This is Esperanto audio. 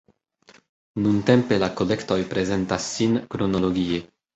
Nuntempe la kolektoj prezentas sin kronologie.